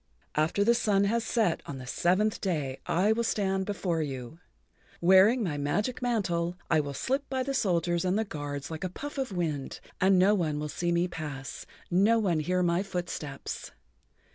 "After the sun has set on the seventh day I will stand before you. Wearing my magic mantle, I will slip by the soldiers and the guards like a puff of wind, and no one will see me pass, no one hear my footsteps.